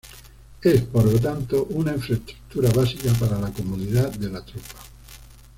Es, por lo tanto, una infraestructura básica para la comodidad de la tropa.